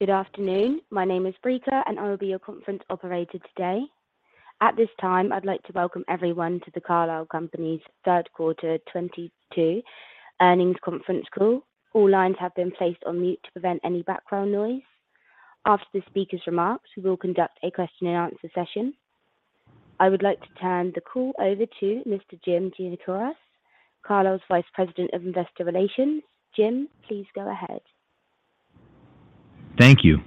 Good afternoon. My name is Brika, and I will be your conference operator today. At this time, I'd like to welcome everyone to the Carlisle Companies' third quarter 2022 earnings conference call. All lines have been placed on mute to prevent any background noise. After the speaker's remarks, we will conduct a question-and-answer session. I would like to turn the call over to Mr. Jim Giannakouros, Carlisle's Vice President of Investor Relations. Jim, please go ahead. Thank you.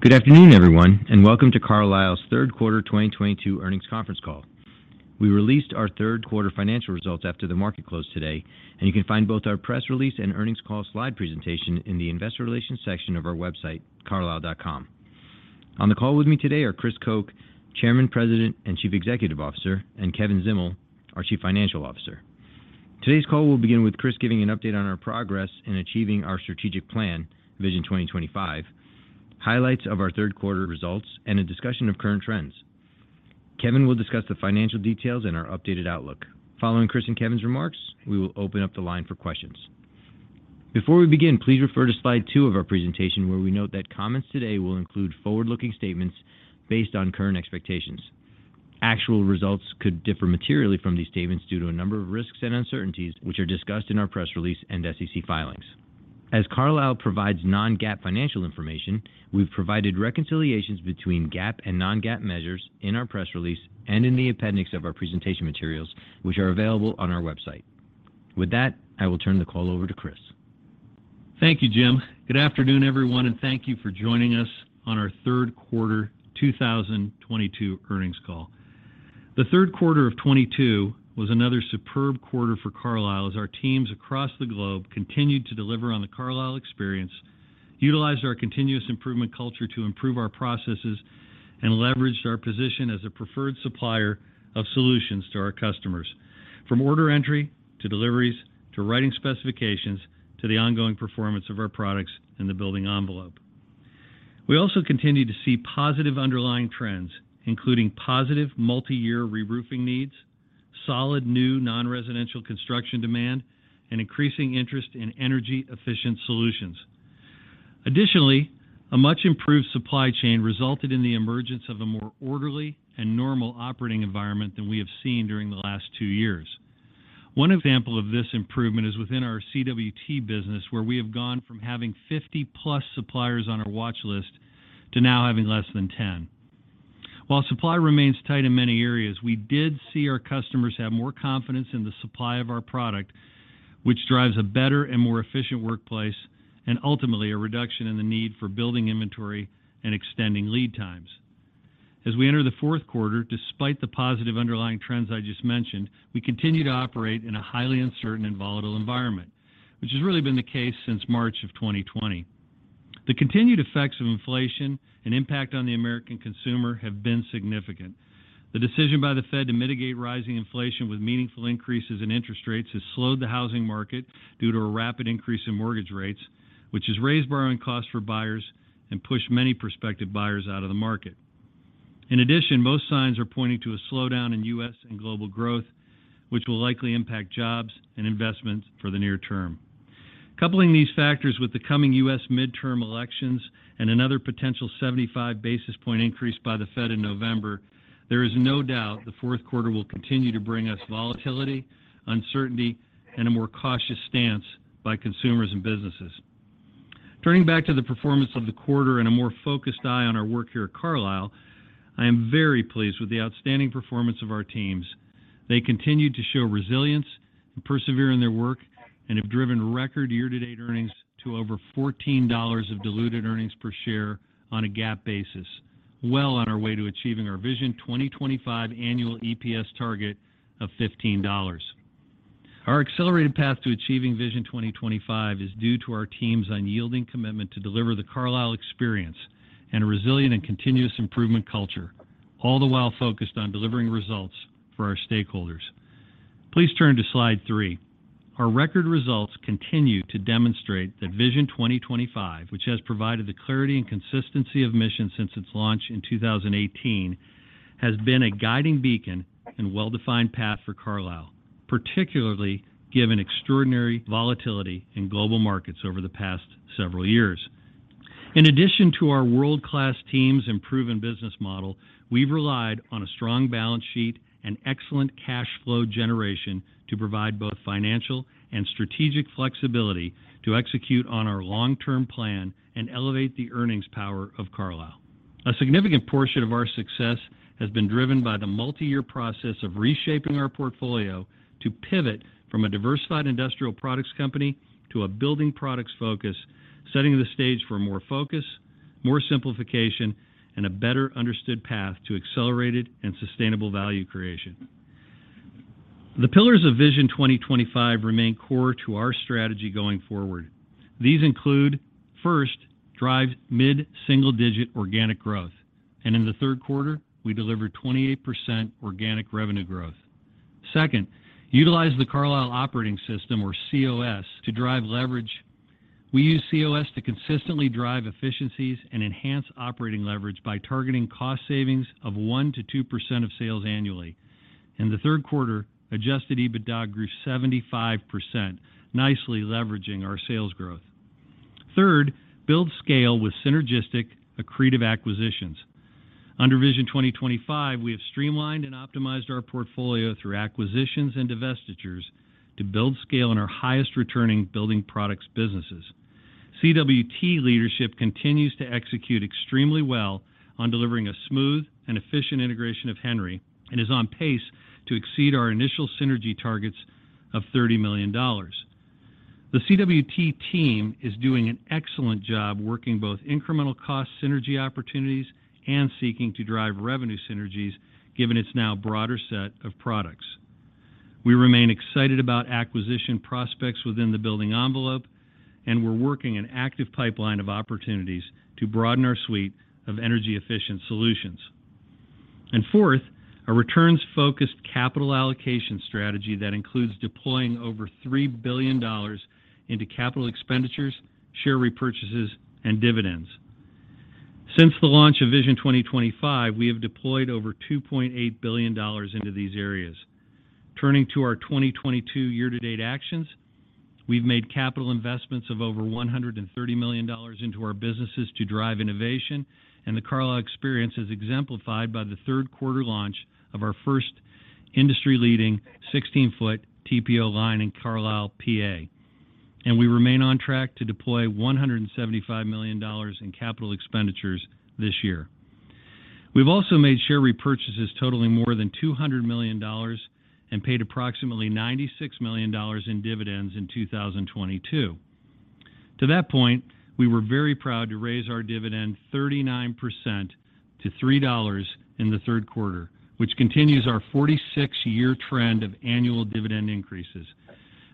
Good afternoon, everyone, and welcome to Carlisle's third quarter 2022 earnings conference call. We released our third quarter financial results after the market closed today, and you can find both our press release and earnings call slide presentation in the investor relations section of our website, carlisle.com. On the call with me today are Chris Koch, Chairman, President, and Chief Executive Officer, and Kevin Zdimal, our Chief Financial Officer. Today's call will begin with Chris giving an update on our progress in achieving our strategic plan, Vision 2025, highlights of our third quarter results, and a discussion of current trends. Kevin will discuss the financial details and our updated outlook. Following Chris and Kevin's remarks, we will open up the line for questions. Before we begin, please refer to slide two of our presentation, where we note that comments today will include forward-looking statements based on current expectations. Actual results could differ materially from these statements due to a number of risks and uncertainties, which are discussed in our press release and SEC filings. As Carlisle provides non-GAAP financial information, we've provided reconciliations between GAAP and non-GAAP measures in our press release and in the appendix of our presentation materials, which are available on our website. With that, I will turn the call over to Chris. Thank you, Jim. Good afternoon, everyone, and thank you for joining us on our third quarter 2022 earnings call. The third quarter of 2022 was another superb quarter for Carlisle as our teams across the globe continued to deliver on the Carlisle experience, utilized our continuous improvement culture to improve our processes, and leveraged our position as a preferred supplier of solutions to our customers, from order entry, to deliveries, to writing specifications, to the ongoing performance of our products in the building envelope. We also continue to see positive underlying trends, including positive multi-year reroofing needs, solid new non-residential construction demand, and increasing interest in energy-efficient solutions. Additionally, a much improved supply chain resulted in the emergence of a more orderly and normal operating environment than we have seen during the last two years. One example of this improvement is within our CWT business, where we have gone from having 50+ suppliers on our watch list to now having less than 10. While supply remains tight in many areas, we did see our customers have more confidence in the supply of our product, which drives a better and more efficient workplace and ultimately a reduction in the need for building inventory and extending lead times. As we enter the fourth quarter, despite the positive underlying trends I just mentioned, we continue to operate in a highly uncertain and volatile environment, which has really been the case since March of 2020. The continued effects of inflation and impact on the American consumer have been significant. The decision by the Fed to mitigate rising inflation with meaningful increases in interest rates has slowed the housing market due to a rapid increase in mortgage rates, which has raised borrowing costs for buyers and pushed many prospective buyers out of the market. In addition, most signs are pointing to a slowdown in U.S. and global growth, which will likely impact jobs and investments for the near term. Coupling these factors with the coming U.S. midterm elections and another potential 75 basis points increase by the Fed in November, there is no doubt the fourth quarter will continue to bring us volatility, uncertainty, and a more cautious stance by consumers and businesses. Turning back to the performance of the quarter and a more focused eye on our work here at Carlisle, I am very pleased with the outstanding performance of our teams. They continue to show resilience and persevere in their work and have driven record year-to-date earnings to over $14 of diluted earnings per share on a GAAP basis. Well on our way to achieving our Vision 2025 annual EPS target of $15. Our accelerated path to achieving Vision 2025 is due to our team's unyielding commitment to deliver the Carlisle experience and a resilient and continuous improvement culture, all the while focused on delivering results for our stakeholders. Please turn to slide three. Our record results continue to demonstrate that Vision 2025, which has provided the clarity and consistency of mission since its launch in 2018, has been a guiding beacon and well-defined path for Carlisle, particularly given extraordinary volatility in global markets over the past several years. In addition to our world-class teams and proven business model, we've relied on a strong balance sheet and excellent cash flow generation to provide both financial and strategic flexibility to execute on our long-term plan and elevate the earnings power of Carlisle. A significant portion of our success has been driven by the multi-year process of reshaping our portfolio to pivot from a diversified industrial products company to a building products focus, setting the stage for more focus, more simplification, and a better understood path to accelerated and sustainable value creation. The pillars of Vision 2025 remain core to our strategy going forward. These include, first, drive mid-single-digit organic growth. In the third quarter, we delivered 28% organic revenue growth. Second, utilize the Carlisle Operating System or COS to drive leverage. We use COS to consistently drive efficiencies and enhance operating leverage by targeting cost savings of 1%-2% of sales annually. In the third quarter, adjusted EBITDA grew 75%, nicely leveraging our sales growth. Third, build scale with synergistic accretive acquisitions. Under Vision 2025, we have streamlined and optimized our portfolio through acquisitions and divestitures to build scale in our highest returning building products businesses. CWT leadership continues to execute extremely well on delivering a smooth and efficient integration of Henry and is on pace to exceed our initial synergy targets of $30 million. The CWT team is doing an excellent job working both incremental cost synergy opportunities and seeking to drive revenue synergies given its now broader set of products. We remain excited about acquisition prospects within the building envelope, and we're working an active pipeline of opportunities to broaden our suite of energy-efficient solutions. Fourth, a returns-focused capital allocation strategy that includes deploying over $3 billion into capital expenditures, share repurchases, and dividends. Since the launch of Vision 2025, we have deployed over $2.8 billion into these areas. Turning to our 2022 year-to-date actions, we've made capital investments of over $130 million into our businesses to drive innovation, and the Carlisle experience is exemplified by the third quarter launch of our first industry-leading 16-foot TPO line in Carlisle, PA. We remain on track to deploy $175 million in capital expenditures this year. We've also made share repurchases totaling more than $200 million and paid approximately $96 million in dividends in 2022. To that point, we were very proud to raise our dividend 39% to $3 in the third quarter, which continues our 46-year trend of annual dividend increases.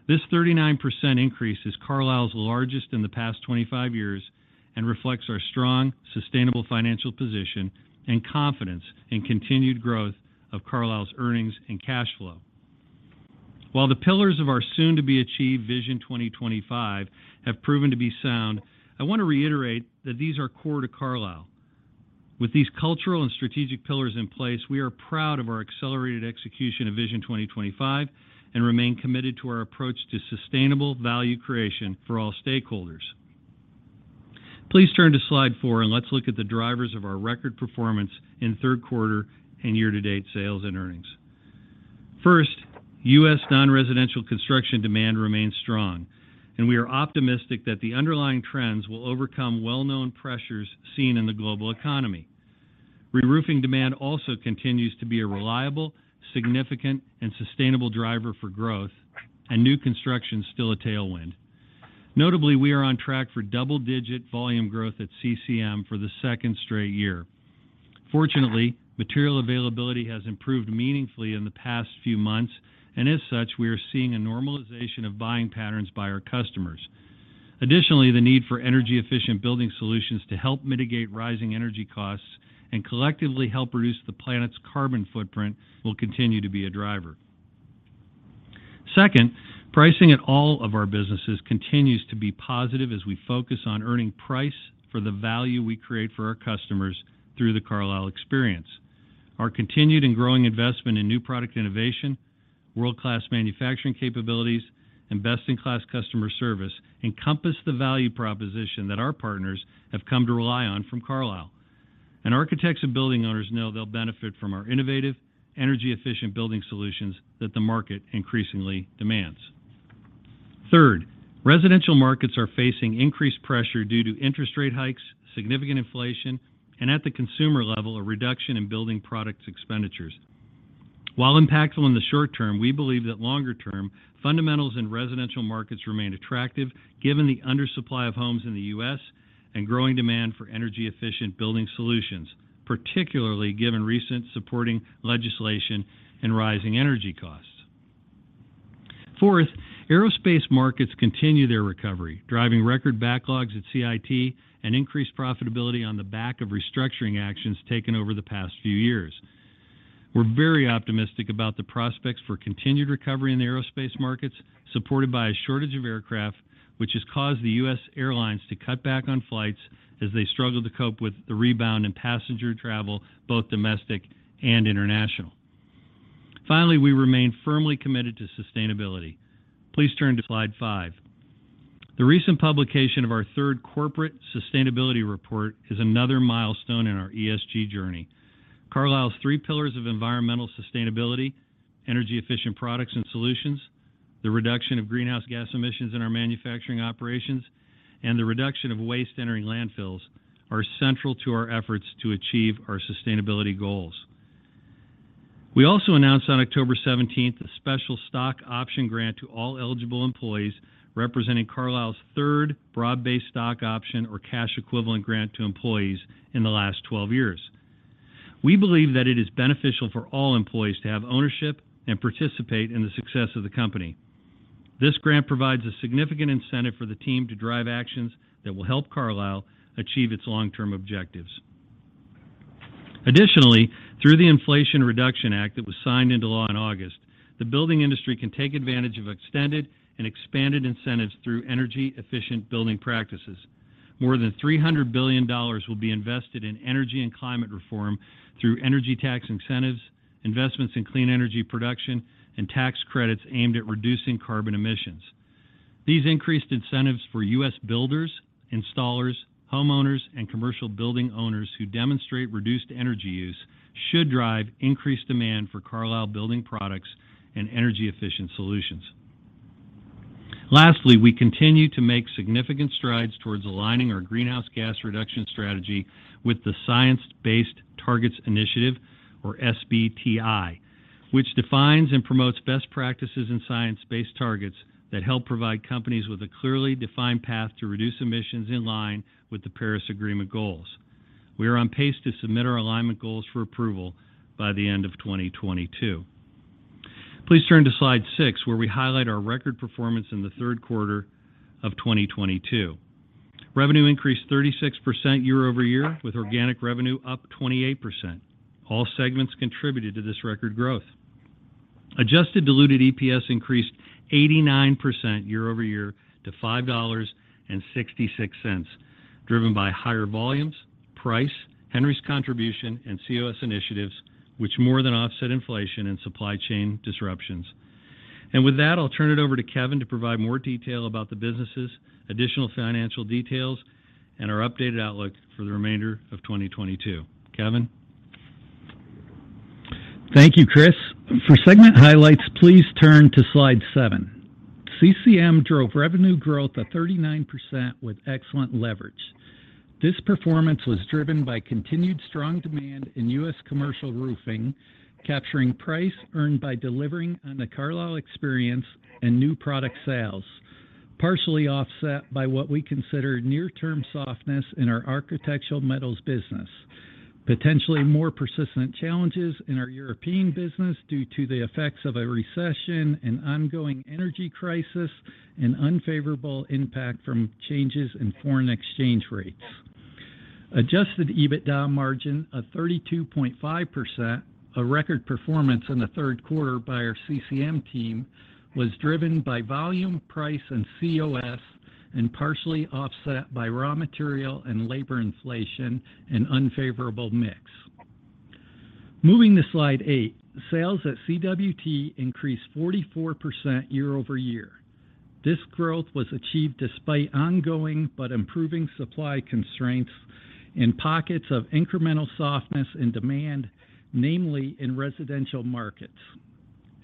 This 39% increase is Carlisle's largest in the past 25 years and reflects our strong, sustainable financial position and confidence in continued growth of Carlisle's earnings and cash flow. While the pillars of our soon-to-be-achieved Vision 2025 have proven to be sound, I want to reiterate that these are core to Carlisle. With these cultural and strategic pillars in place, we are proud of our accelerated execution of Vision 2025 and remain committed to our approach to sustainable value creation for all stakeholders. Please turn to slide four and let's look at the drivers of our record performance in third quarter and year-to-date sales and earnings. First, U.S. non-residential construction demand remains strong, and we are optimistic that the underlying trends will overcome well-known pressures seen in the global economy. Re-roofing demand also continues to be a reliable, significant, and sustainable driver for growth, and new construction is still a tailwind. Notably, we are on track for double-digit volume growth at CCM for the second straight year. Fortunately, material availability has improved meaningfully in the past few months, and as such, we are seeing a normalization of buying patterns by our customers. Additionally, the need for energy-efficient building solutions to help mitigate rising energy costs and collectively help reduce the planet's carbon footprint will continue to be a driver. Second, pricing at all of our businesses continues to be positive as we focus on earning price for the value we create for our customers through the Carlisle experience. Our continued and growing investment in new product innovation, world-class manufacturing capabilities, and best-in-class customer service encompass the value proposition that our partners have come to rely on from Carlisle. Architects and building owners know they'll benefit from our innovative, energy-efficient building solutions that the market increasingly demands. Third, residential markets are facing increased pressure due to interest rate hikes, significant inflation, and at the consumer level, a reduction in building products expenditures. While impactful in the short term, we believe that longer-term fundamentals in residential markets remain attractive given the undersupply of homes in the U.S. and growing demand for energy-efficient building solutions, particularly given recent supporting legislation and rising energy costs. Fourth, aerospace markets continue their recovery, driving record backlogs at CIT and increased profitability on the back of restructuring actions taken over the past few years. We're very optimistic about the prospects for continued recovery in the aerospace markets, supported by a shortage of aircraft, which has caused the U.S. airlines to cut back on flights as they struggle to cope with the rebound in passenger travel, both domestic and international. Finally, we remain firmly committed to sustainability. Please turn to slide five. The recent publication of our third corporate sustainability report is another milestone in our ESG journey. Carlisle's three pillars of environmental sustainability, energy-efficient products and solutions, the reduction of greenhouse gas emissions in our manufacturing operations, and the reduction of waste entering landfills are central to our efforts to achieve our sustainability goals. We also announced on October 17, a special stock option grant to all eligible employees, representing Carlisle's third broad-based stock option or cash equivalent grant to employees in the last 12 years. We believe that it is beneficial for all employees to have ownership and participate in the success of the company. This grant provides a significant incentive for the team to drive actions that will help Carlisle achieve its long-term objectives. Additionally, through the Inflation Reduction Act that was signed into law in August, the building industry can take advantage of extended and expanded incentives through energy-efficient building practices. More than $300 billion will be invested in energy and climate reform through energy tax incentives, investments in clean energy production, and tax credits aimed at reducing carbon emissions. These increased incentives for U.S. builders, installers, homeowners, and commercial building owners who demonstrate reduced energy use should drive increased demand for Carlisle building products and energy-efficient solutions. Lastly, we continue to make significant strides towards aligning our greenhouse gas reduction strategy with the Science Based Targets initiative, or SBTI, which defines and promotes best practices in science-based targets that help provide companies with a clearly defined path to reduce emissions in line with the Paris Agreement goals. We are on pace to submit our alignment goals for approval by the end of 2022. Please turn to slide six, where we highlight our record performance in the third quarter of 2022. Revenue increased 36% year-over-year, with organic revenue up 28%. All segments contributed to this record growth. Adjusted diluted EPS increased 89% year-over-year to $5.66, driven by higher volumes, price, Henry's contribution, and COS initiatives, which more than offset inflation and supply chain disruptions. With that, I'll turn it over to Kevin to provide more detail about the businesses, additional financial details, and our updated outlook for the remainder of 2022. Kevin? Thank you, Chris. For segment highlights, please turn to slide seven. CCM drove revenue growth of 39% with excellent leverage. This performance was driven by continued strong demand in U.S. commercial roofing, capturing price earned by delivering on the Carlisle experience and new product sales, partially offset by what we consider near-term softness in our architectural metals business, potentially more persistent challenges in our European business due to the effects of a recession and ongoing energy crisis, and unfavorable impact from changes in foreign exchange rates. Adjusted EBITDA margin of 32.5%, a record performance in the third quarter by our CCM team, was driven by volume, price, and COS, and partially offset by raw material and labor inflation and unfavorable mix. Moving to slide eight, sales at CWT increased 44% year-over-year. This growth was achieved despite ongoing but improving supply constraints and pockets of incremental softness in demand, namely in residential markets.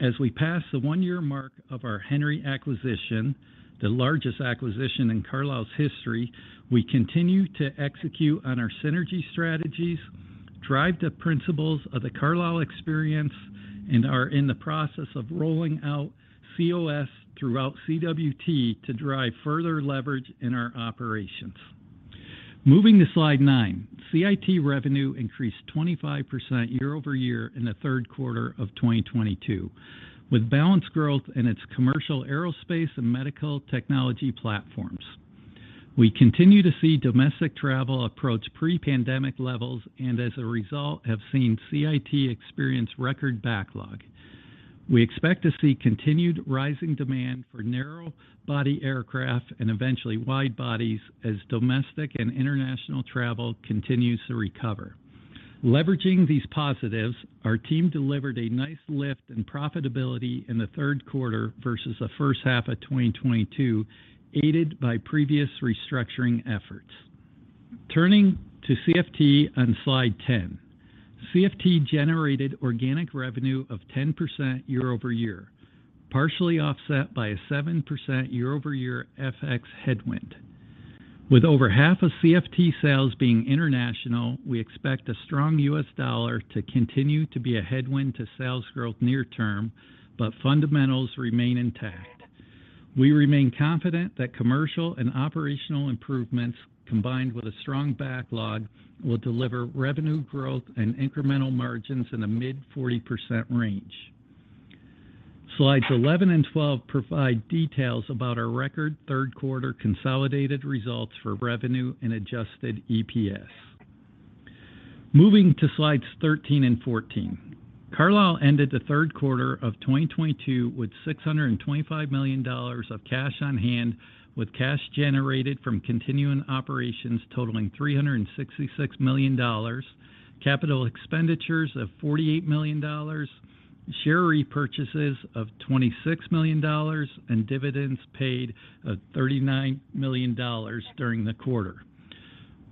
As we pass the one-year mark of our Henry acquisition, the largest acquisition in Carlisle's history, we continue to execute on our synergy strategies, drive the principles of the Carlisle experience, and are in the process of rolling out COS throughout CWT to drive further leverage in our operations. Moving to slide nine, CIT revenue increased 25% year-over-year in the third quarter of 2022, with balanced growth in its commercial aerospace and medical technology platforms. We continue to see domestic travel approach pre-pandemic levels, and as a result, have seen CIT experience record backlog. We expect to see continued rising demand for narrow-body aircraft and eventually wide-bodies as domestic and international travel continues to recover. Leveraging these positives, our team delivered a nice lift in profitability in the third quarter versus the first half of 2022, aided by previous restructuring efforts. Turning to CFT on slide 10. CFT generated organic revenue of 10% year-over-year, partially offset by a 7% year-over-year FX headwind. With over half of CFT sales being international, we expect a strong U.S. dollar to continue to be a headwind to sales growth near term, but fundamentals remain intact. We remain confident that commercial and operational improvements, combined with a strong backlog, will deliver revenue growth and incremental margins in the mid 40% range. Slides 11 and 12 provide details about our record third quarter consolidated results for revenue and adjusted EPS. Moving to slides 13 and 14. Carlisle ended the third quarter of 2022 with $625 million of cash on hand, with cash generated from continuing operations totaling $366 million, capital expenditures of $48 million, share repurchases of $26 million, and dividends paid of $39 million during the quarter.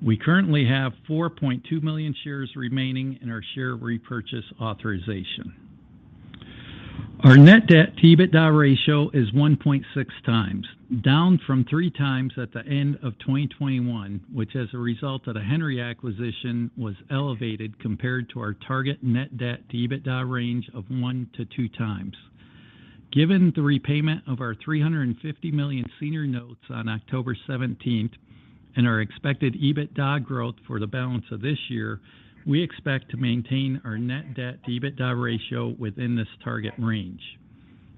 We currently have 4.2 million shares remaining in our share repurchase authorization. Our net debt to EBITDA ratio is 1.6x, down from 3x at the end of 2021, which as a result of the Henry acquisition was elevated compared to our target net debt to EBITDA range of one to 2x. Given the repayment of our $350 million senior notes on October seventeenth and our expected EBITDA growth for the balance of this year, we expect to maintain our net debt to EBITDA ratio within this target range.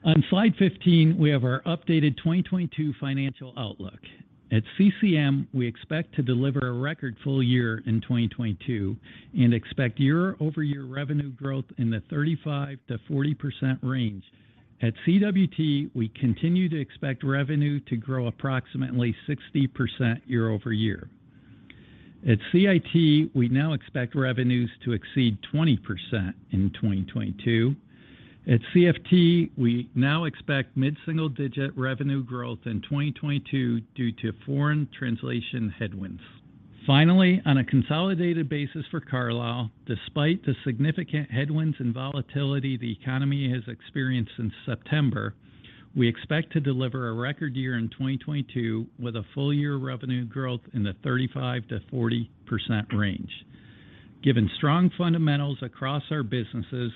On slide 15, we have our updated 2022 financial outlook. At CCM, we expect to deliver a record full year in 2022 and expect year-over-year revenue growth in the 35%-40% range. At CWT, we continue to expect revenue to grow approximately 60% year-over-year. At CIT, we now expect revenues to exceed 20% in 2022. At CFT, we now expect mid-single digit revenue growth in 2022 due to FX translation headwinds. Finally, on a consolidated basis for Carlisle, despite the significant headwinds and volatility the economy has experienced since September, we expect to deliver a record year in 2022 with a full year revenue growth in the 35%-40% range. Given strong fundamentals across our businesses,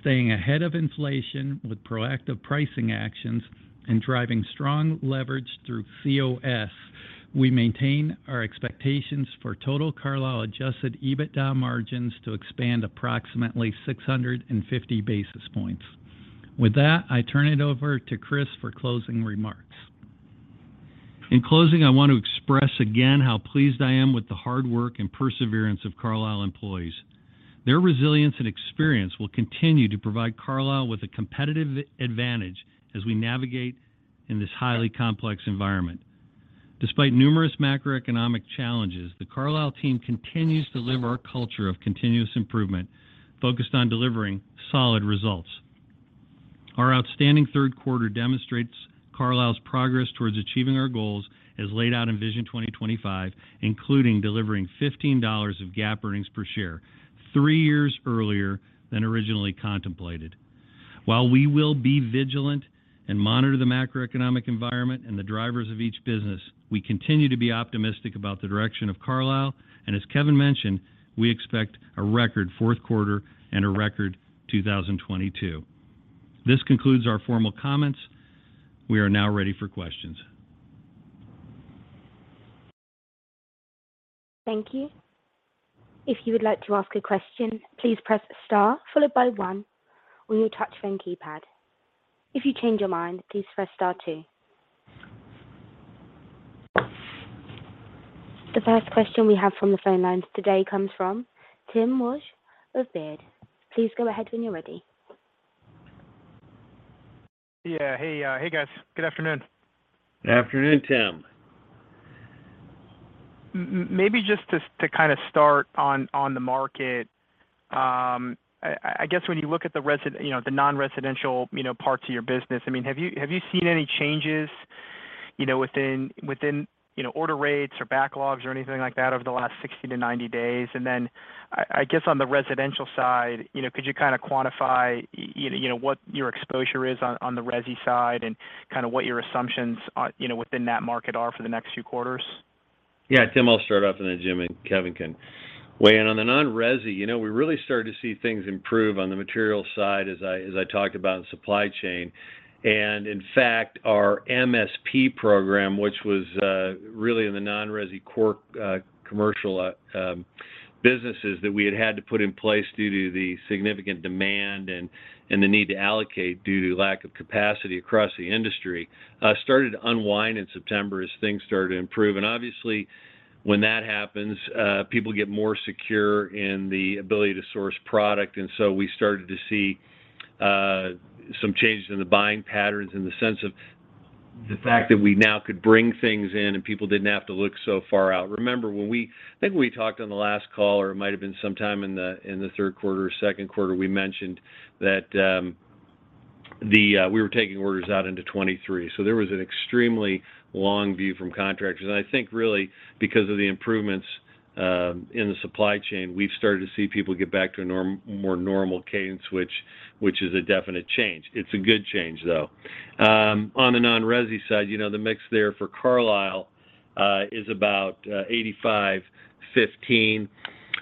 staying ahead of inflation with proactive pricing actions and driving strong leverage through COS, we maintain our expectations for total Carlisle adjusted EBITDA margins to expand approximately 650 basis points. With that, I turn it over to Chris for closing remarks. In closing, I want to express again how pleased I am with the hard work and perseverance of Carlisle employees. Their resilience and experience will continue to provide Carlisle with a competitive advantage as we navigate in this highly complex environment. Despite numerous macroeconomic challenges, the Carlisle team continues to live our culture of continuous improvement focused on delivering solid results. Our outstanding third quarter demonstrates Carlisle's progress towards achieving our goals as laid out in Vision 2025, including delivering $15 of GAAP earnings per share three years earlier than originally contemplated. While we will be vigilant and monitor the macroeconomic environment and the drivers of each business, we continue to be optimistic about the direction of Carlisle. As Kevin mentioned, we expect a record fourth quarter and a record 2022. This concludes our formal comments. We are now ready for questions. Thank you. If you would like to ask a question, please press Star followed by one on your touch tone keypad. If you change your mind, please press star two. The first question we have from the phone lines today comes from Tim Wojs of Baird. Please go ahead when you're ready. Yeah. Hey. Hey, guys. Good afternoon. Good afternoon, Tim. Maybe just to kinda start on the market. I guess when you look at the non-residential, you know, parts of your business, I mean, have you seen any changes, you know, within order rates or backlogs or anything like that over the last 60-90 days? I guess on the residential side, you know, could you kinda quantify you know what your exposure is on the resi side and kinda what your assumptions are, you know, within that market are for the next few quarters? Yeah. Tim, I'll start off and then Jim and Kevin can weigh in. On the non-resi, you know, we really started to see things improve on the material side as I talked about in supply chain. In fact, our MSP program, which was really in the non-resi core commercial businesses that we had to put in place due to the significant demand and the need to allocate due to lack of capacity across the industry, started to unwind in September as things started to improve. Obviously when that happens, people get more secure in the ability to source product, and so we started to see some changes in the buying patterns in the sense of the fact that we now could bring things in and people didn't have to look so far out. Remember when we I think when we talked on the last call, or it might have been sometime in the third quarter or second quarter, we mentioned that we were taking orders out into 2023, so there was an extremely long view from contractors. I think really because of the improvements in the supply chain, we've started to see people get back to a more normal cadence, which is a definite change. It's a good change though. On the non-resi side, you know, the mix there for Carlisle is about 85/15.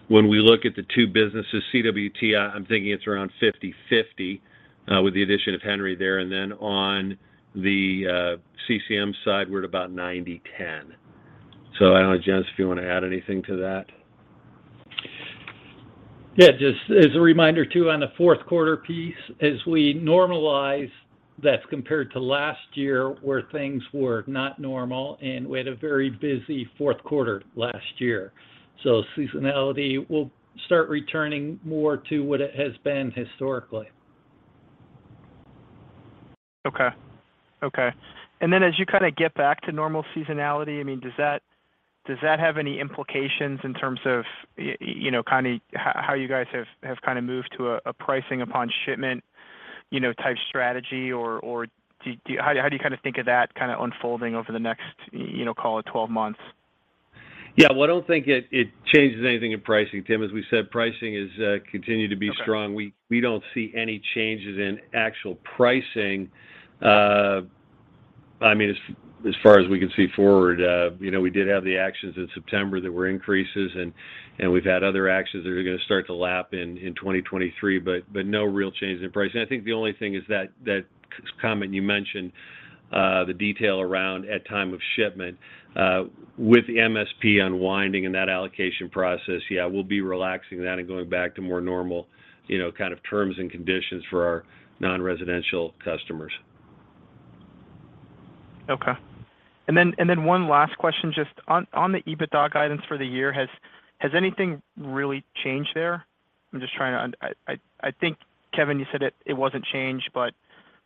When we look at the two businesses, CWT, I'm thinking it's around 50/50 with the addition of Henry there. On the CCM side, we're at about 90/10. I don't know, gents, if you wanna add anything to that. Yeah. Just as a reminder too, on the fourth quarter piece, as we normalize, that's compared to last year where things were not normal, and we had a very busy fourth quarter last year. Seasonality will start returning more to what it has been historically. Okay. As you kinda get back to normal seasonality, I mean, does that have any implications in terms of, you know, kinda how you guys have kinda moved to a pricing upon shipment, you know, type strategy? Or, how do you kinda think of that kinda unfolding over the next, you know, call it 12 months? Yeah. Well, I don't think it changes anything in pricing, Tim. As we said, pricing is continued to be strong. Okay. We don't see any changes in actual pricing, I mean, as far as we can see forward. You know, we did have the actions in September that were increases and we've had other actions that are gonna start to lap in 2023, but no real changes in pricing. I think the only thing is that comment you mentioned, the detail around at time of shipment. With MSP unwinding and that allocation process, yeah, we'll be relaxing that and going back to more normal, you know, kind of terms and conditions for our non-residential customers. Okay. One last question just on the EBITDA guidance for the year. Has anything really changed there? I think, Kevin, you said it wasn't changed, but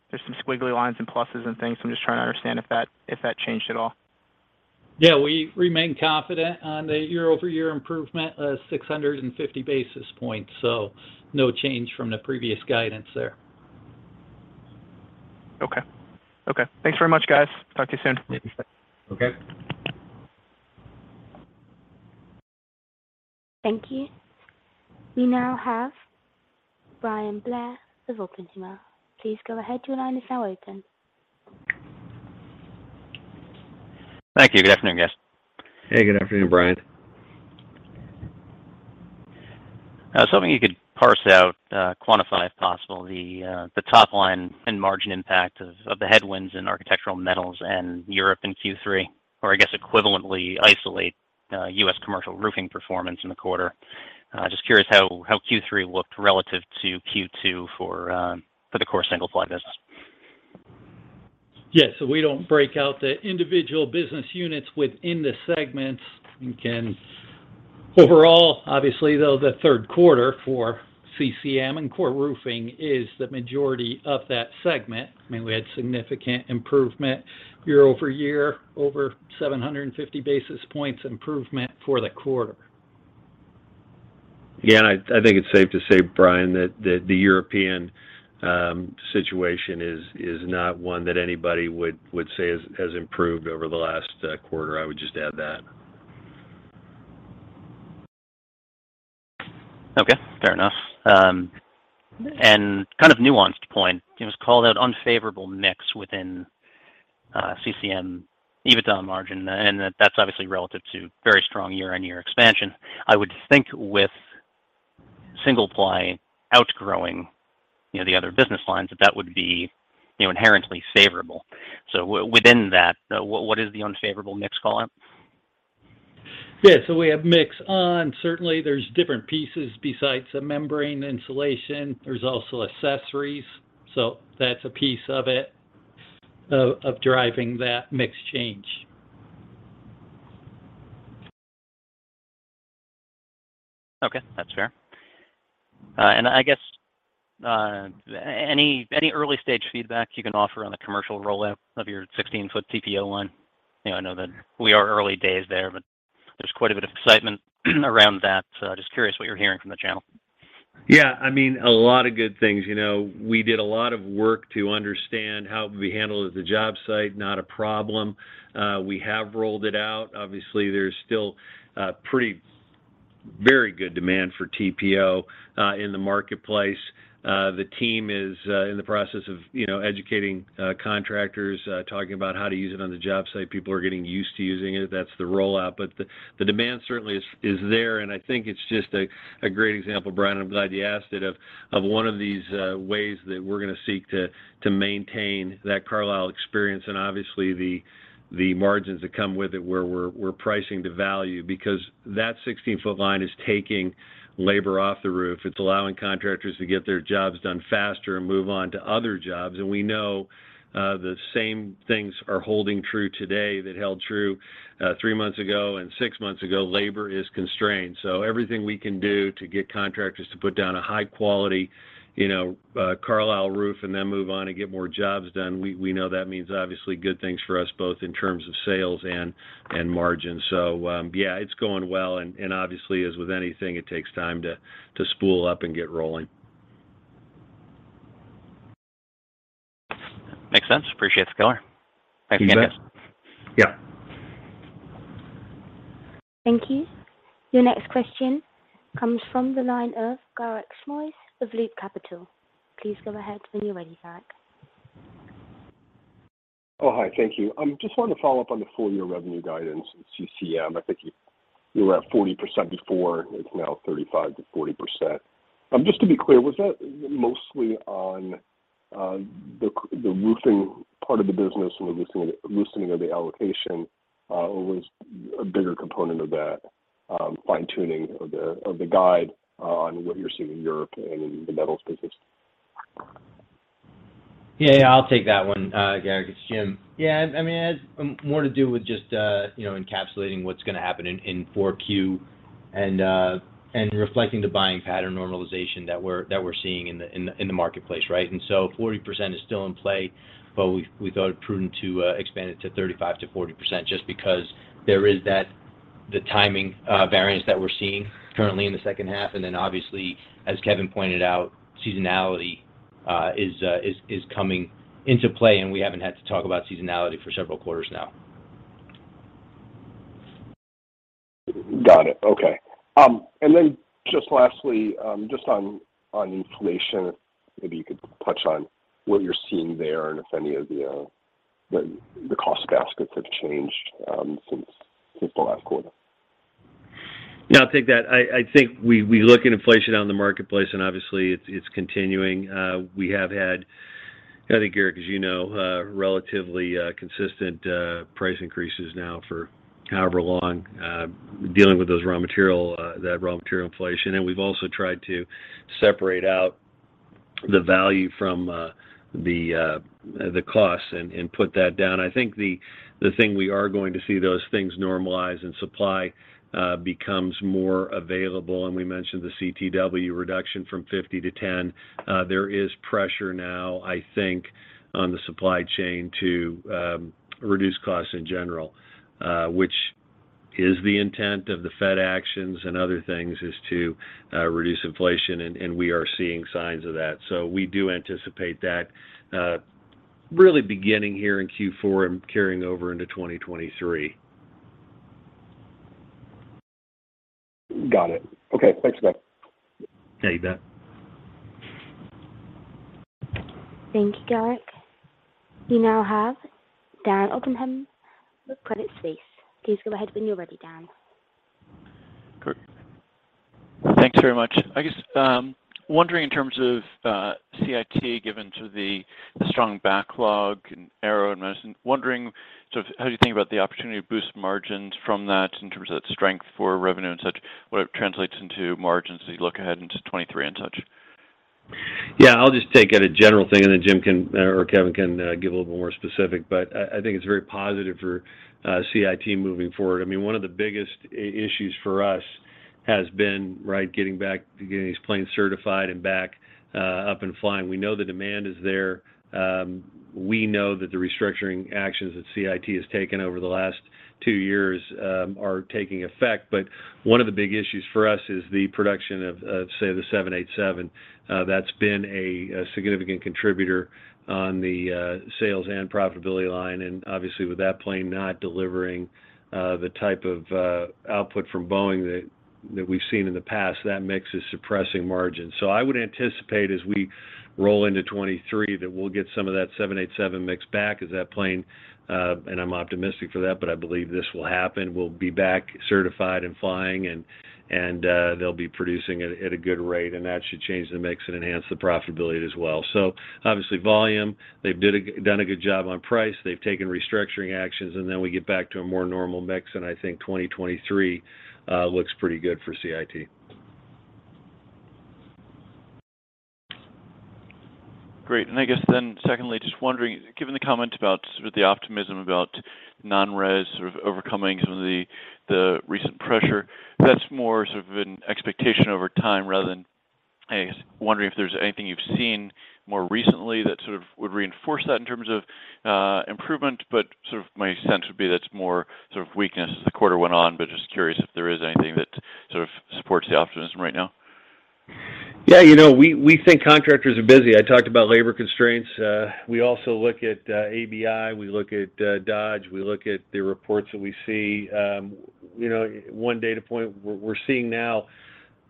there's some squiggly lines and pluses and things. I'm just trying to understand if that changed at all. Yeah. We remain confident on the year-over-year improvement of 650 basis points, so no change from the previous guidance there. Okay. Thanks very much, guys. Talk to you soon. Okay. Thank you. We now have Bryan Blair with Oppenheimer. Please go ahead, your line is now open. Thank you. Good afternoon, guys. Hey, good afternoon, Bryan. I was hoping you could parse out, quantify if possible, the top line and margin impact of the headwinds in architectural metals and Europe in Q3, or I guess equivalently isolate, U.S. commercial roofing performance in the quarter. Just curious how Q3 looked relative to Q2 for the core single-ply business. Yeah. We don't break out the individual business units within the segments, Ken. Overall, obviously, though, the third quarter for CCM and core roofing is the majority of that segment. I mean, we had significant improvement year-over-year, over 750 basis points improvement for the quarter. Yeah. I think it's safe to say, Bryan, that the European situation is not one that anybody would say has improved over the last quarter. I would just add that. Okay. Fair enough. Kind of nuanced point, it was called out unfavorable mix within CCM EBITDA margin, and that's obviously relative to very strong year-on-year expansion. I would think with single-ply outgrowing, you know, the other business lines, that would be, you know, inherently favorable. Within that, what is the unfavorable mix call-out? Yeah. We have mix on. Certainly, there's different pieces besides the membrane insulation. There's also accessories. That's a piece of it, of driving that mix change. Okay. That's fair. I guess any early-stage feedback you can offer on the commercial rollout of your 16-foot TPO line? You know, I know that we are early days there, but there's quite a bit of excitement around that. Just curious what you're hearing from the channel. Yeah. I mean, a lot of good things. You know, we did a lot of work to understand how it would be handled at the job site, not a problem. We have rolled it out. Obviously, there's still very good demand for TPO in the marketplace. The team is in the process of, you know, educating contractors, talking about how to use it on the job site. People are getting used to using it. That's the rollout. But the demand certainly is there. I think it's just a great example, Brian, I'm glad you asked it, of one of these ways that we're gonna seek to maintain that Carlisle experience, and obviously the margins that come with it, where we're pricing to value. Because that 16-foot line is taking labor off the roof. It's allowing contractors to get their jobs done faster and move on to other jobs. We know the same things are holding true today that held true three months ago and six months ago. Labor is constrained. Everything we can do to get contractors to put down a high quality Carlisle roof and then move on and get more jobs done, we know that means obviously good things for us both in terms of sales and margin. Yeah, it's going well, and obviously, as with anything, it takes time to spool up and get rolling. Makes sense. Appreciate the color. Back to you guys. You bet. Yeah. Thank you. Your next question comes from the line of Garik Shmois of Loop Capital. Please go ahead when you're ready, Garik. Just wanted to follow up on the full year revenue guidance in CCM. I think you were at 40% before. It's now 35%-40%. Just to be clear, was that mostly on the roofing part of the business and the loosening of the allocation, or was a bigger component of that fine-tuning of the guide on what you're seeing in Europe and in the metals business? Yeah. I'll take that one, Garik. It's Jim. Yeah. I mean, it had more to do with just, you know, encapsulating what's gonna happen in 4Q and reflecting the buying pattern normalization that we're seeing in the marketplace, right? 40% is still in play, but we thought it prudent to expand it to 35%-40% just because there is the timing variance that we're seeing currently in the second half. Obviously, as Kevin pointed out, seasonality is coming into play, and we haven't had to talk about seasonality for several quarters now. Got it. Okay. Just lastly, just on inflation, maybe you could touch on what you're seeing there and if any of the cost baskets have changed since the last quarter. Yeah, I'll take that. I think we look at inflation on the marketplace, and obviously it's continuing. We have had, I think, Garik, as you know, relatively consistent price increases now for however long, dealing with that raw material inflation. We've also tried to separate out the value from the costs and put that down. I think the thing we are going to see those things normalize and supply becomes more available, and we mentioned the CWT reduction from 50-10. There is pressure now, I think, on the supply chain to reduce costs in general, which is the intent of the Fed actions and other things, to reduce inflation and we are seeing signs of that. We do anticipate that, really beginning here in Q4 and carrying over into 2023. Got it. Okay. Thanks, Doug. Yeah, you bet. Thank you, Garik. We now have Dan Oppenheim with Credit Suisse. Please go ahead when you're ready, Dan. Great. Thanks very much. I guess, wondering in terms of, CIT given the strong backlog and aero and medicine, wondering sort of how you think about the opportunity to boost margins from that in terms of that strength for revenue and such, what it translates into margins as you look ahead into 2023 and such. Yeah, I'll just take it a general thing, and then Jim can or Kevin can give a little more specific. I think it's very positive for CIT moving forward. I mean, one of the biggest issues for us has been, right, getting these planes certified and back up and flying. We know the demand is there. We know that the restructuring actions that CIT has taken over the last two years are taking effect. One of the big issues for us is the production of, say, the 787. That's been a significant contributor on the sales and profitability line. Obviously with that plane not delivering the type of output from Boeing that we've seen in the past, that mix is suppressing margins. I would anticipate as we roll into 2023 that we'll get some of that 787 mix back as that plane, and I'm optimistic for that, but I believe this will happen, will be back certified and flying, and they'll be producing at a good rate, and that should change the mix and enhance the profitability as well. Obviously volume, they've done a good job on price. They've taken restructuring actions, and then we get back to a more normal mix, and I think 2023 looks pretty good for CIT. Great. I guess then secondly, just wondering, given the comment about sort of the optimism about non-res sort of overcoming some of the recent pressure, that's more sort of an expectation over time rather than, I guess wondering if there's anything you've seen more recently that sort of would reinforce that in terms of, improvement, but sort of my sense would be that's more sort of weakness as the quarter went on. But just curious if there is anything that sort of supports the optimism right now. Yeah, you know, we think contractors are busy. I talked about labor constraints. We also look at ABI, we look at Dodge, we look at the reports that we see. You know, one data point we're seeing now,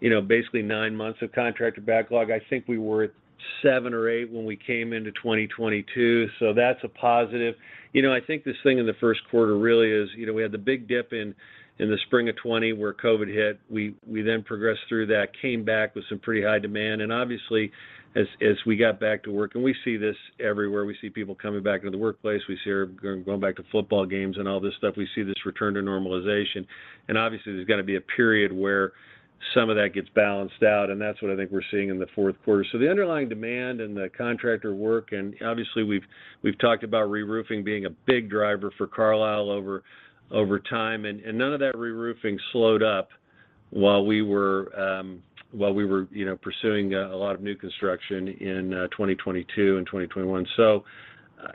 you know, basically nine months of contractor backlog. I think we were at seven or eight when we came into 2022. That's a positive. You know, I think this thing in the first quarter really is, you know, we had the big dip in the spring of 2020 where COVID hit. We then progressed through that, came back with some pretty high demand. Obviously as we got back to work, and we see this everywhere. We see people coming back into the workplace. We see everyone going back to football games and all this stuff. We see this return to normalization. Obviously, there's got to be a period where some of that gets balanced out, and that's what I think we're seeing in the fourth quarter. The underlying demand and the contractor work, and obviously we've talked about reroofing being a big driver for Carlisle over time. None of that reroofing slowed up while we were you know, pursuing a lot of new construction in 2022 and 2021.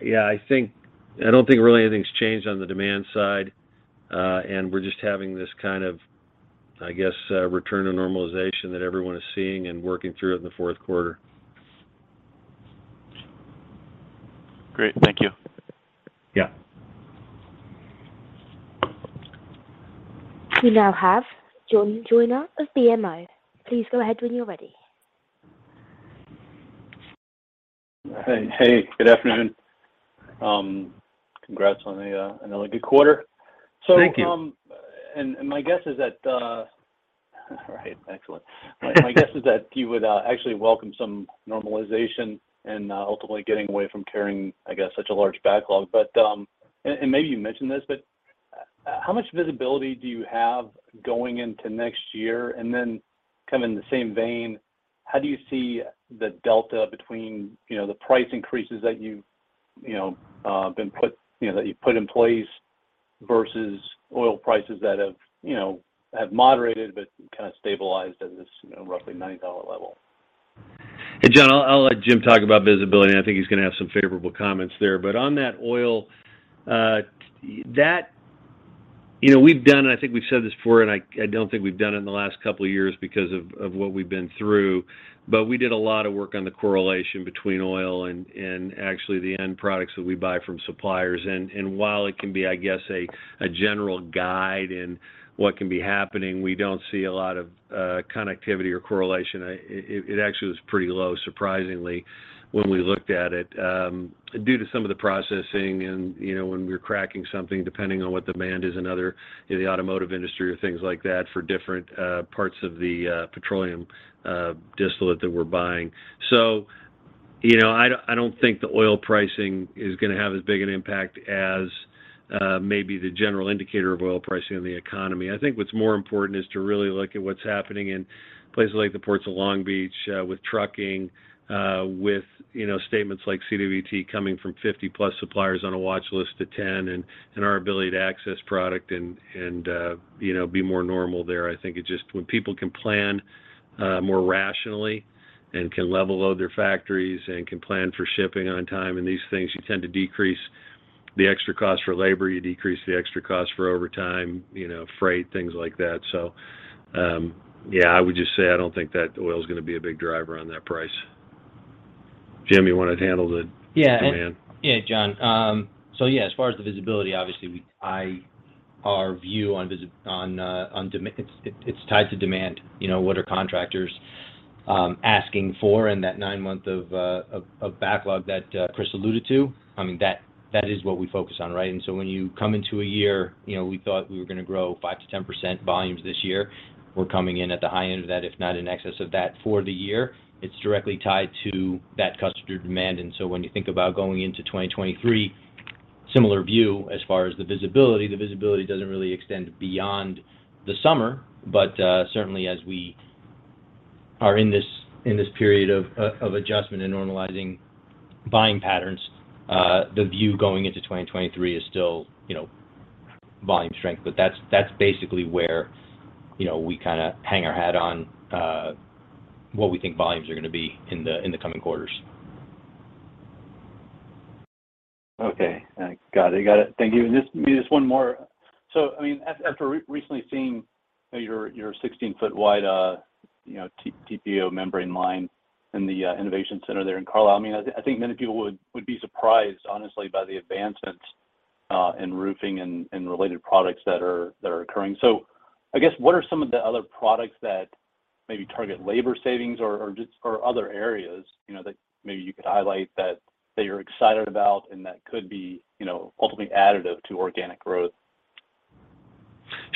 Yeah, I don't think really anything's changed on the demand side, and we're just having this kind of, I guess, return to normalization that everyone is seeing and working through in the fourth quarter. Great. Thank you. Yeah. We now have John Joyner of BMO. Please go ahead when you're ready. Hey, hey. Good afternoon. Congrats on another good quarter. Thank you. My guess is that you would actually welcome some normalization and ultimately getting away from carrying, I guess, such a large backlog. Maybe you mentioned this, but how much visibility do you have going into next year? Then kind of in the same vein, how do you see the delta between, you know, the price increases that you've put in place versus oil prices that have moderated but kind of stabilized at this, you know, roughly $90 level? Hey, John, I'll let Jim talk about visibility, and I think he's gonna have some favorable comments there. On that oil. You know, we've done, and I think we've said this before, and I don't think we've done it in the last couple of years because of what we've been through, but we did a lot of work on the correlation between oil and actually the end products that we buy from suppliers. While it can be, I guess, a general guide in what can be happening, we don't see a lot of connectivity or correlation. It actually was pretty low, surprisingly, when we looked at it, due to some of the processing and, you know, when we were cracking something, depending on what demand is in the automotive industry or things like that for different parts of the petroleum distillate that we're buying. You know, I don't think the oil pricing is gonna have as big an impact as maybe the general indicator of oil pricing on the economy. I think what's more important is to really look at what's happening in places like the Port of Long Beach with trucking, with CWT coming from 50+ suppliers on a watch list to 10 and our ability to access product and, you know, be more normal there. I think it just. When people can plan more rationally and can level load their factories and can plan for shipping on time and these things, you tend to decrease the extra cost for labor, you decrease the extra cost for overtime, you know, freight, things like that. Yeah, I would just say I don't think that oil's gonna be a big driver on that price. Jim, you wanna handle the- Yeah demand? Yeah, John. So yeah, as far as the visibility, obviously our view on visibility on demand. It's tied to demand. You know, what are contractors asking for in that nine-month of backlog that Chris alluded to. I mean, that is what we focus on, right? When you come into a year, you know, we thought we were gonna grow 5%-10% volumes this year. We're coming in at the high end of that, if not in excess of that for the year. It's directly tied to that customer demand. When you think about going into 2023, similar view as far as the visibility. The visibility doesn't really extend beyond the summer. Certainly as we are in this period of adjustment and normalizing buying patterns, the view going into 2023 is still, you know, volume strength. That's basically where, you know, we kinda hang our hat on, what we think volumes are gonna be in the coming quarters. Okay. Got it. Thank you. Just maybe just one more. I mean, after recently seeing, you know, your 16-foot wide, you know, TPO membrane line in the innovation center there in Carlisle, I mean, I think many people would be surprised, honestly, by the advancements in roofing and related products that are occurring. I guess, what are some of the other products that maybe target labor savings or just or other areas, you know, that maybe you could highlight that you're excited about and that could be, you know, ultimately additive to organic growth?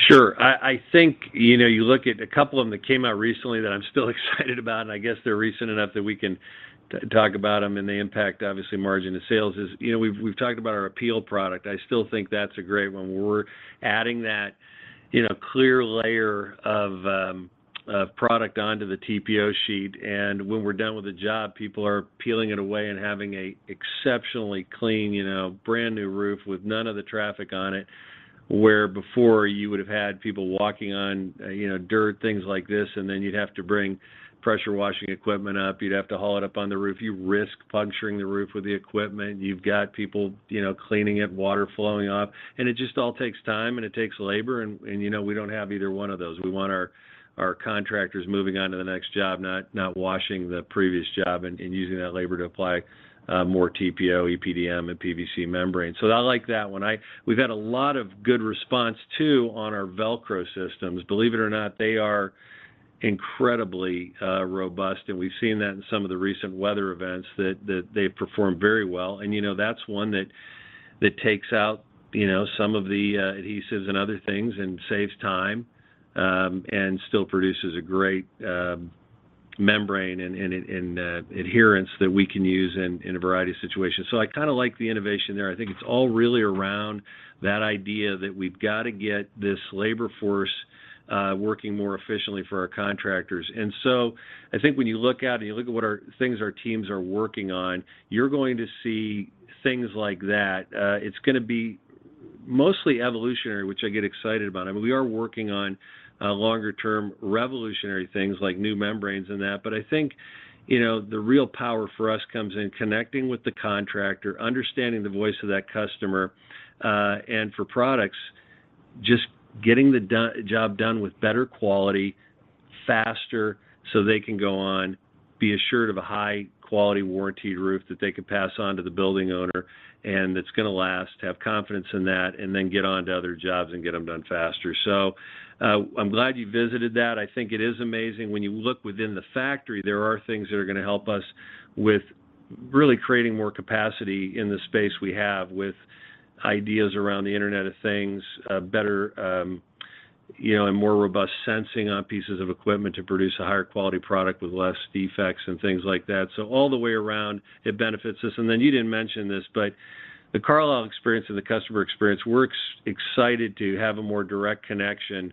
Sure. I think, you know, you look at a couple of them that came out recently that I'm still excited about, and I guess they're recent enough that we can talk about them and they impact, obviously, margin to sales. You know, we've talked about our APEEL product. I still think that's a great one. We're adding that, you know, clear layer of product onto the TPO sheet, and when we're done with the job, people are peeling it away and having an exceptionally clean, you know, brand-new roof with none of the traffic on it, where before you would've had people walking on, you know, dirt, things like this, and then you'd have to bring pressure washing equipment up. You'd have to haul it up on the roof. You risk puncturing the roof with the equipment. You've got people, you know, cleaning it, water flowing off. It just all takes time and it takes labor and, you know, we don't have either one of those. We want our contractors moving on to the next job, not washing the previous job and using that labor to apply more TPO, EPDM and PVC membrane. I like that one. We've had a lot of good response too on our RapidLock systems. Believe it or not, they are incredibly robust, and we've seen that in some of the recent weather events, that they've performed very well. You know, that's one that takes out, you know, some of the adhesives and other things and saves time and still produces a great membrane and adherence that we can use in a variety of situations. I kinda like the innovation there. I think it's all really around that idea that we've gotta get this labor force working more efficiently for our contractors. I think when you look out and you look at what our teams are working on, you're going to see things like that. It's gonna be mostly evolutionary, which I get excited about. I mean, we are working on longer term revolutionary things like new membranes and that. I think, you know, the real power for us comes in connecting with the contractor, understanding the voice of that customer, and for products, just getting the job done with better quality, faster, so they can go on, be assured of a high quality warrantied roof that they can pass on to the building owner, and it's gonna last, have confidence in that, and then get on to other jobs and get them done faster. I'm glad you visited that. I think it is amazing. When you look within the factory, there are things that are gonna help us with really creating more capacity in the space we have with ideas around the Internet of Things, better, you know, and more robust sensing on pieces of equipment to produce a higher quality product with less defects and things like that. All the way around it benefits us. Then you didn't mention this, but the Carlisle experience and the customer experience, we're excited to have a more direct connection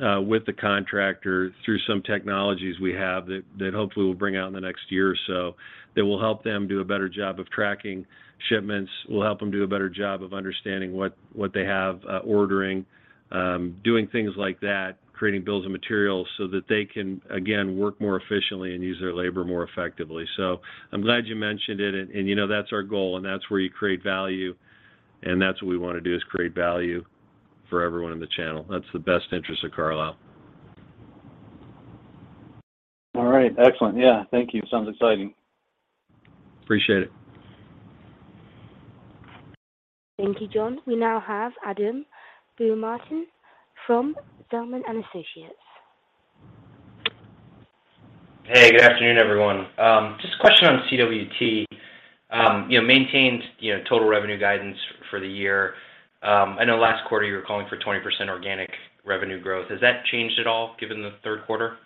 with the contractor through some technologies we have that hopefully we'll bring out in the next year or so, that will help them do a better job of tracking shipments. We'll help them do a better job of understanding what they have ordering, doing things like that, creating bills of materials so that they can, again, work more efficiently and use their labor more effectively. I'm glad you mentioned it. And you know, that's our goal and that's where you create value, and that's what we wanna do, is create value for everyone in the channel. That's the best interest of Carlisle. All right. Excellent. Yeah. Thank you. Sounds exciting. Appreciate it. Thank you, John. We now have Adam Baumgarten from Zelman & Associates. Hey, good afternoon, everyone. Just a question on CWT. You know, maintained, you know, total revenue guidance for the year. I know last quarter you were calling for 20% organic revenue growth. Has that changed at all given the third quarter?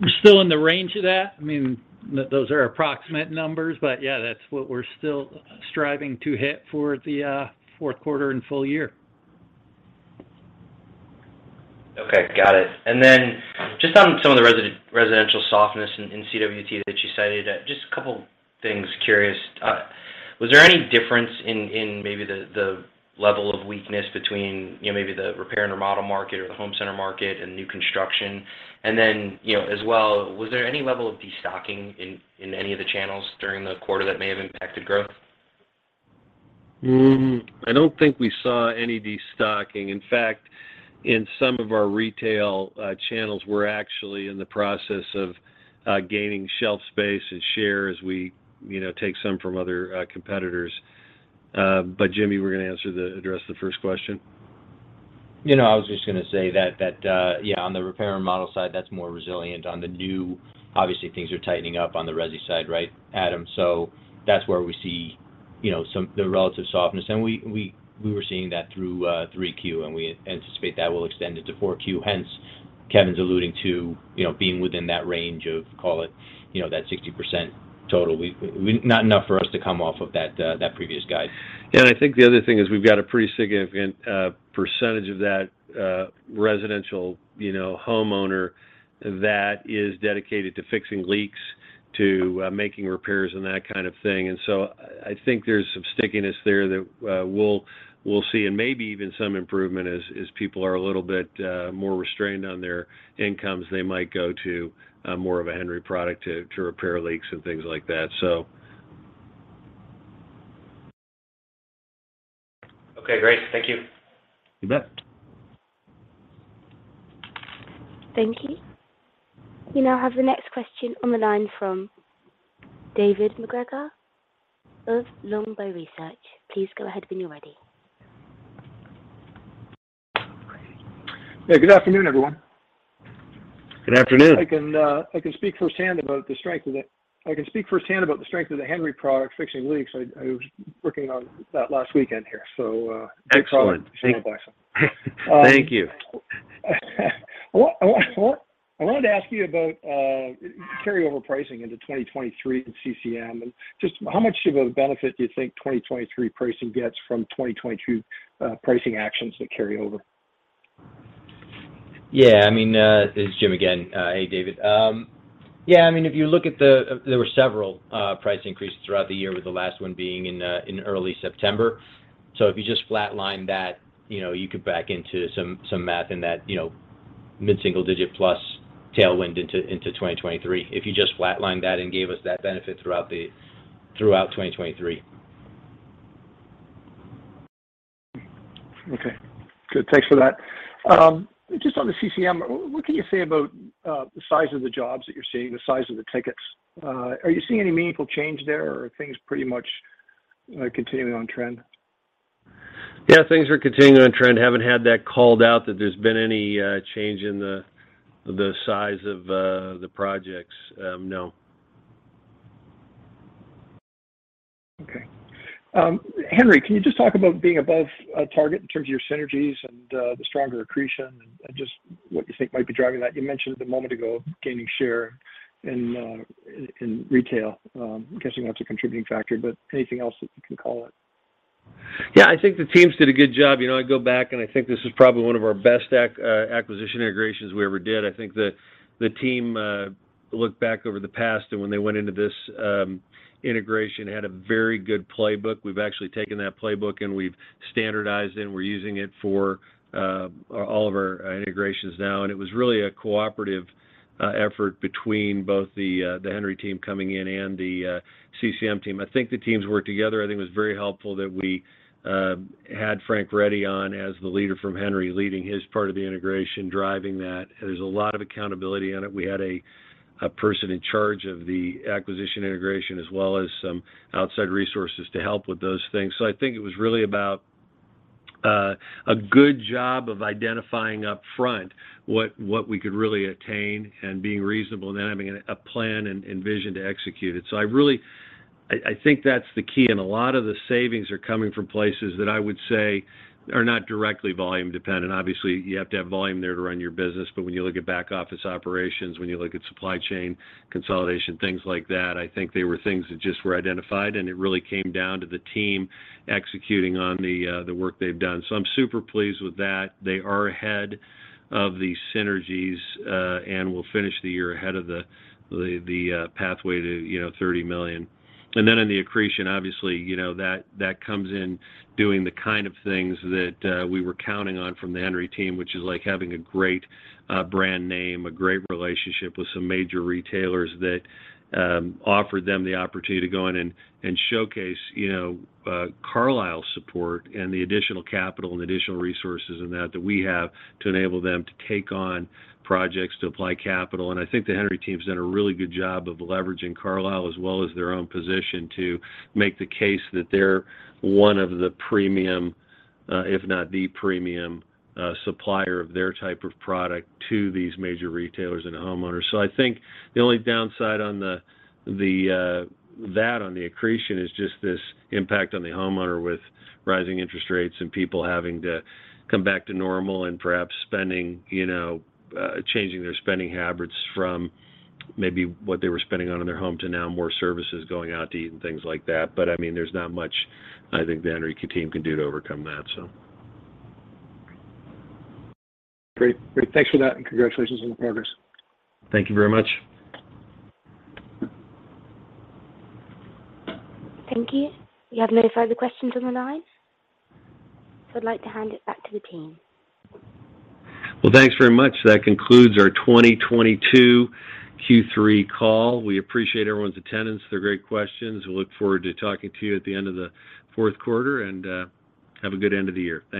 We're still in the range of that. I mean, those are approximate numbers, but yeah, that's what we're still striving to hit for the fourth quarter and full year. Okay. Got it. Just on some of the residential softness in CWT that you cited, just a couple things. Curious, was there any difference in maybe the level of weakness between, you know, maybe the repair and remodel market or the home center market and new construction? You know, as well, was there any level of destocking in any of the channels during the quarter that may have impacted growth? I don't think we saw any destocking. In fact, in some of our retail channels, we're actually in the process of gaining shelf space and share as we, you know, take some from other competitors. Jim, we're gonna address the first question. You know, I was just gonna say that, yeah, on the repair and remodel side, that's more resilient. On the new, obviously, things are tightening up on the resi side, right, Adam? That's where we see, you know, the relative softness. We were seeing that through 3Q, and we anticipate that will extend into 4Q. Hence, Kevin's alluding to, you know, being within that range of, call it, you know, that 60% total. Not enough for us to come off of that previous guide. I think the other thing is we've got a pretty significant percentage of that residential, you know, homeowner that is dedicated to fixing leaks, to making repairs and that kind of thing. I think there's some stickiness there that we'll see and maybe even some improvement as people are a little bit more restrained on their incomes. They might go to more of a Henry product to repair leaks and things like that. Okay. Great. Thank you. You bet. Thank you. We now have the next question on the line from David MacGregor of Longbow Research. Please go ahead when you're ready. Yeah. Good afternoon, everyone. Good afternoon. I can speak firsthand about the strength of the Henry product fixing leaks. I was working on that last weekend here, so. Excellent. Great product. Thank you. It's a real blessing. Thank you. I wanted to ask you about carryover pricing into 2023 in CCM, and just how much of a benefit do you think 2023 pricing gets from 2022 pricing actions that carry over? Yeah. I mean, this is Jim again. Hey, David. Yeah, I mean, if you look at there were several price increases throughout the year, with the last one being in early September. If you just flatline that, you know, you could back into some math in that, you know, mid-single-digit plus tailwind into 2023, if you just flatlined that and gave us that benefit throughout 2023. Okay. Good. Thanks for that. Just on the CCM, what can you say about the size of the jobs that you're seeing, the size of the tickets? Are you seeing any meaningful change there, or are things pretty much continuing on trend? Yeah, things are continuing on trend. Haven't had that called out that there's been any change in the size of the projects. No. Okay. Henry, can you just talk about being above target in terms of your synergies and the stronger accretion and just what you think might be driving that? You mentioned a moment ago gaining share in retail. I'm guessing that's a contributing factor, but anything else that you can call it? Yeah. I think the teams did a good job. You know, I go back, and I think this is probably one of our best acquisition integrations we ever did. I think the team looked back over the past, and when they went into this integration, had a very good playbook. We've actually taken that playbook, and we've standardized it, and we're using it for all of our integrations now. It was really a cooperative effort between both the Henry team coming in and the CCM team. I think the teams worked together. I think it was very helpful that we had Frank Ready on as the leader from Henry, leading his part of the integration, driving that. There's a lot of accountability in it. We had a person in charge of the acquisition integration as well as some outside resources to help with those things. I think it was really about a good job of identifying upfront what we could really attain and being reasonable and then having a plan and vision to execute it. I really think that's the key, and a lot of the savings are coming from places that I would say are not directly volume dependent. Obviously, you have to have volume there to run your business, but when you look at back office operations, when you look at supply chain consolidation, things like that, I think they were things that just were identified, and it really came down to the team executing on the work they've done. I'm super pleased with that. They are ahead of the synergies, and we'll finish the year ahead of the pathway to $30 million. In the accretion, obviously, you know, that comes in doing the kind of things that we were counting on from the Henry team, which is like having a great brand name, a great relationship with some major retailers that offer them the opportunity to go in and showcase, you know, Carlisle support and the additional capital and additional resources that we have to enable them to take on projects to apply capital. I think the Henry team's done a really good job of leveraging Carlisle as well as their own position to make the case that they're one of the premium, if not the premium, supplier of their type of product to these major retailers and homeowners. I think the only downside on the accretion is just this impact on the homeowner with rising interest rates and people having to come back to normal and perhaps spending, you know, changing their spending habits from maybe what they were spending on in their home to now more services going out to eat and things like that. I mean, there's not much I think the Henry team can do to overcome that. Great. Thanks for that, and congratulations on the progress. Thank you very much. Thank you. We have no further questions on the line, so I'd like to hand it back to the team. Well, thanks very much. That concludes our 2022 Q3 call. We appreciate everyone's attendance. They're great questions. We look forward to talking to you at the end of the fourth quarter, and have a good end of the year. Thank you.